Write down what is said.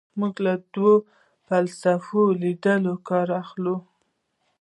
موږ له دوو فلسفي لیدلورو کار اخلو.